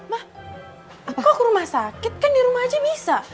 mah aku ke rumah sakit kan di rumah aja bisa